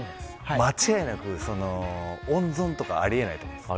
間違いなく温存はありえないと思います。